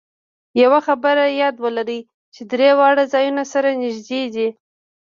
یوه خبره یاد ولرئ چې درې واړه ځایونه سره نږدې دي.